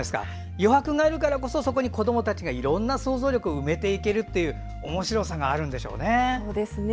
余白があるからこそそこに子どもたちがいろんな想像力を埋めていけるおもしろさがあるんでしょうね。